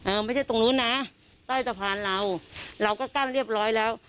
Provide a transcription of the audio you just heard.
ไม่ใช่ตรงนู้นนะใต้สะพานเราเราก็กั้นเรียบร้อยแล้ว